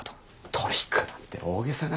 トリックなんて大げさな。